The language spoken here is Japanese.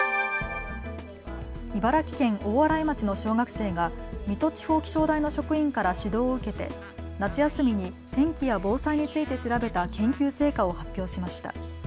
茨城県大洗町の小学生が水戸地方気象台の職員から指導を受けて夏休みに天気や防災について調べた研究成果を発表しました。